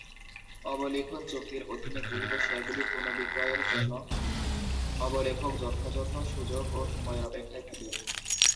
অবলিখন চুক্তির অধীনে গৃহীত শেয়ারগুলি পুনঃবিক্রয়ের জন্য অবলেখক যথাযথ সুযোগ ও সময়ের অপেক্ষায় থাকে।